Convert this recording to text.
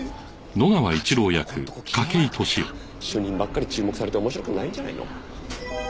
主任ばっかり注目されて面白くないんじゃないの？